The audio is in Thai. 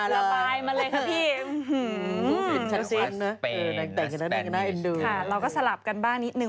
เราก็สลับกันบ้างนิดนึง